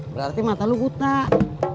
berarti mata lu kutak